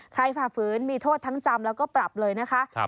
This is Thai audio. ฝ่าฝืนมีโทษทั้งจำแล้วก็ปรับเลยนะคะ